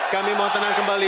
kami mohon tenang kembali